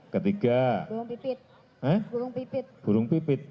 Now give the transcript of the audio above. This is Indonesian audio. ketiga burung pipit